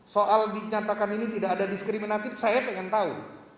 soal dinyatakan ini tidak ada diskriminatif saya pengen tahu